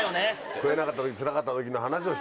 食えなかった時つらかった時の話をしたいんだ。